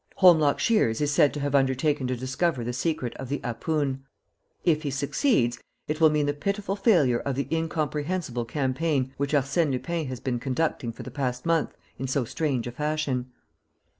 "Holmlock Shears is said to have undertaken to discover the secret of the 'APOON.' "If he succeeds, it will mean the pitiful failure of the incomprehensible campaign which Arsène Lupin has been conducting for the past month in so strange a fashion."